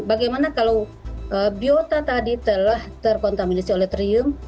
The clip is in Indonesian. bagaimana kalau biota tadi telah terkontaminasi oleh trium